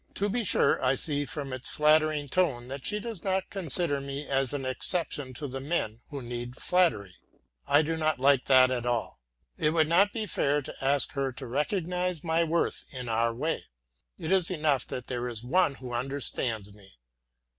To be sure, I see from its flattering tone that she does not consider me as an exception to the men who need flattery. I do not like that at all. It would not be fair to ask her to recognize my worth in our way. It is enough that there is one who understands me.